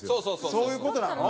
そういう事なの？